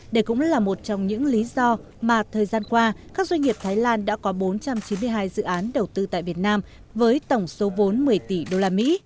để cũng là một trong những lý do mà thời gian qua các doanh nghiệp thái lan đã có bốn trăm chín mươi hai dự án đầu tư tại việt nam với tổng số bốn trăm một mươi tỷ usd